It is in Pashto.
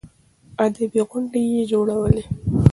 ادبي غونډې يې جوړولې.